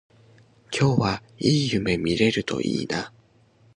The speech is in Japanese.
今日はいい夢見れるといいな